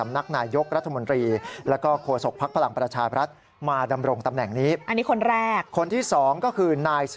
อันนี้โผล่เดิมนะ